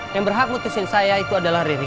yang berhak memutuskan saya itu adalah riri